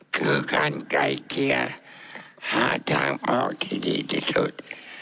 คือการไกลเกลี่ยหาทางออกที่ดีที่สุด